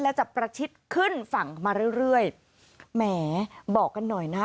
แล้วจะประชิดขึ้นฝั่งมาเรื่อยเรื่อยแหมบอกกันหน่อยนะ